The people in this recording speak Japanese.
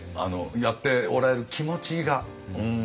やっておられる気持ちが。